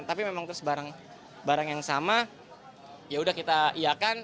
tapi memang terus barang yang sama yaudah kita iakan